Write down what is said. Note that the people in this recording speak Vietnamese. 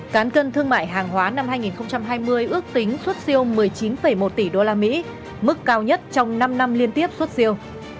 cán cân thương mại hàng hóa năm hai nghìn hai mươi ước tính xuất siêu một mươi chín một tỷ usd mức cao nhất trong năm năm liên tiếp xuất siêu